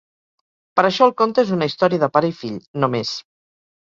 Per això el conte és una història de pare i fill, només.